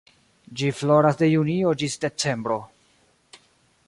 Ĝi floras de junio ĝis decembro.